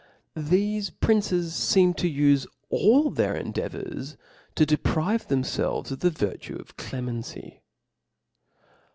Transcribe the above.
, Thele princes ieem to ufe all their endeavours to ^pr^Fe themfelves of the vir tue of clemency..